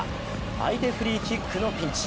相手フリーキックのピンチ。